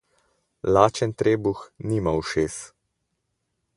Lačen trebuh nima ušes.